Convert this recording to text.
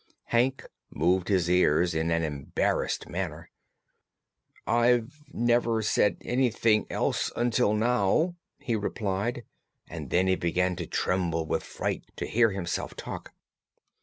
Hank moved his ears in an embarrassed manner. "I have never said anything else, until now," he replied; and then he began to tremble with fright to hear himself talk.